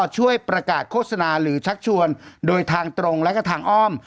ช่วยประกาศโฆษณาหรือชักชวนโดยทางตรงและก็ทางอ้อม